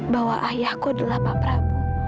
bahwa ayahku adalah pak prabowo